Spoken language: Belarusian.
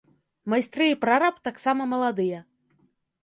Майстры і прараб таксама маладыя.